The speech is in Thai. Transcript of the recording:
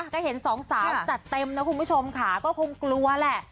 ก็เห็นสองสาวจัดเต็มนะคุณผู้ชมค่ะก็คงกลัวแหละ